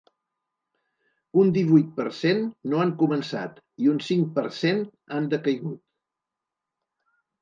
Un divuit per cent no han començat i un cinc per cent han decaigut.